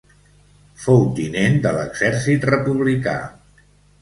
Fou tinent de l'exèrcit republicà.